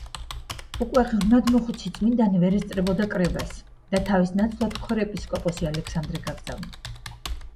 უკვე ღრმად მოხუცი წმიდანი ვერ ესწრებოდა კრებას და თავის ნაცვლად ქორეპისკოპოსი ალექსანდრე გაგზავნა.